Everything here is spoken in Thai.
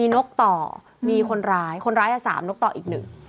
นกต่อมีคนร้ายคนร้ายอ่ะสามนกต่ออีกหนึ่ง